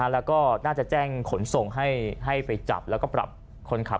แล้วก็น่าจะแจ้งขนส่งให้ไปจับแล้วก็ปรับคนขับ